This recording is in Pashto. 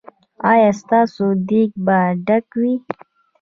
ایا ستاسو دیګ به ډک وي؟